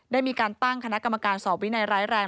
ได้มีการตั้งคณะกรรมการสอบวินัยร้ายแรง